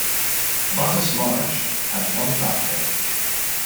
Bacchus Marsh has one platform.